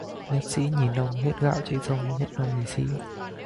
Nhất sĩ nhì nông, hết gạo chạy rông, nhất nông nhì sĩ